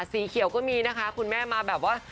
สีเขียวก็มีนะคะคุณแม่มาแบบว่า